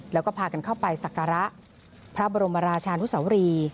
แล้วก็พากันเข้าไปสักการะพระบรมราชานุสวรี